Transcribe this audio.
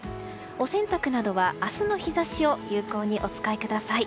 お洗濯などは明日の日差しを有効にお使いください。